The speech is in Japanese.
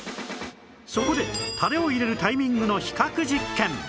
そこでタレを入れるタイミングの比較実験